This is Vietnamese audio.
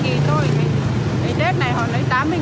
tám mươi nghìn thôi ngày tết này họ lấy tám mươi nghìn